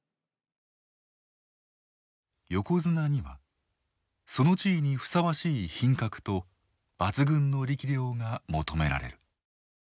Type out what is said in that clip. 横綱にはその地位にふさわしい品格と抜群の力量が求められる。